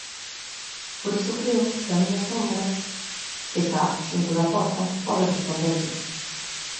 Por iso creo que a miña sombra, que está xunto da porta, pode responderlle.